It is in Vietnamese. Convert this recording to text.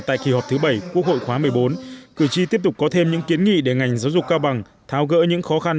tại kỳ họp thứ bảy quốc hội khóa một mươi bốn cử tri tiếp tục có thêm những kiến nghị để ngành giáo dục cao bằng thao gỡ những khó khăn